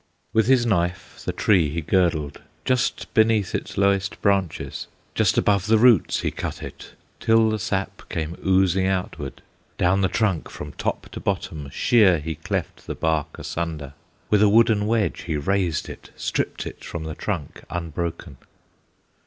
With his knife the tree he girdled; Just beneath its lowest branches, Just above the roots, he cut it, Till the sap came oozing outward; Down the trunk, from top to bottom, Sheer he cleft the bark asunder, With a wooden wedge he raised it, Stripped it from the trunk unbroken.